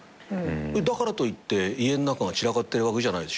だからといって家ん中が散らかってるわけじゃないでしょ？